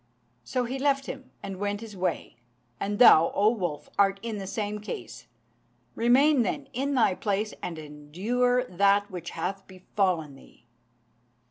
So he left him and went his way. And thou, O wolf, art in the same case. Remain, then, in thy place, and endure that which hath befallen thee."